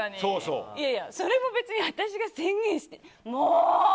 いやいや、それも別に私が宣言して。